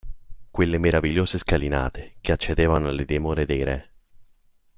Quelle meravigliose scalinate che accedevano alle dimore dei re…